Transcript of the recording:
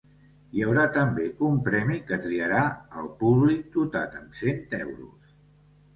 Hi haurà també un premi que triarà el públic, dotat amb cent euros.